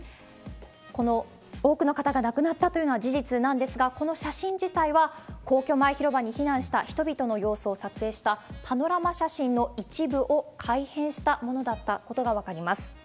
この多くの方が亡くなったというのは事実なんですが、この写真自体は、皇居前広場に避難した人々の様子を撮影したパノラマ写真の一部を改編したものだったことが分かります。